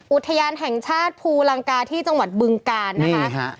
อุทยานแห่งชาติภูลังกาที่จังหวัดบึงกาลนะคะ